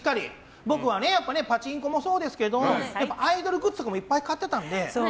僕はパチンコもそうですけどアイドルグッズとかもいっぱい買ってたので。